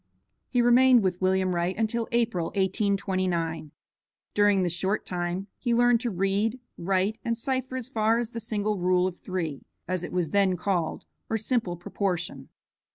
He remained with William Wright until April, 1829. During this short time he learned to read, write, and cipher as far as the single rule of three, as it was then called, or simple proportion.